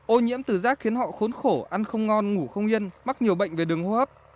ô nhiễm từ rác khiến họ khốn khổ ăn không ngon ngủ không yên mắc nhiều bệnh về đường hô hấp